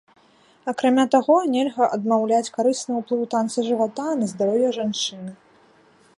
Акрамя таго, нельга адмаўляць карысны ўплыў танца жывата на здароўе жанчыны.